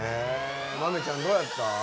豆ちゃんどうやった？